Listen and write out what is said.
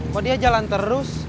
kok dia jalan terus